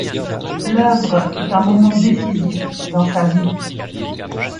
L'œuvre fut un moment décisif dans sa vie.